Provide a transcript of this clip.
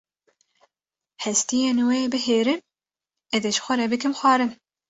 hestiyên wê bihêrim, ez ê ji xwe re bikim xwarin.